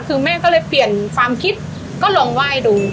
คือแม่ก็เลยเปลี่ยนความคิดก็ลองไหว้ดู